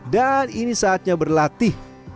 dan ini saatnya berlatih